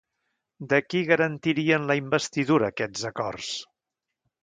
De qui garantirien la investidura aquests acords?